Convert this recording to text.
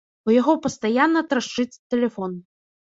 У яго пастаянна трашчыць тэлефон.